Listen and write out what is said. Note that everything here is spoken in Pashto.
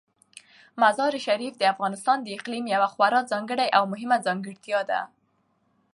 مزارشریف د افغانستان د اقلیم یوه خورا ځانګړې او مهمه ځانګړتیا ده.